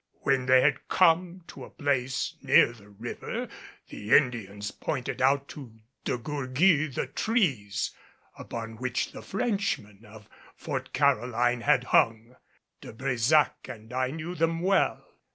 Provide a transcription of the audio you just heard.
When they had come to a place near the river, the Indians pointed out to De Gourgues the trees upon which the Frenchmen of Fort Caroline had hung. De Brésac and I knew them well.